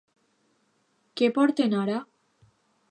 Què porten ara?